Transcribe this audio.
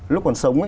lúc còn sống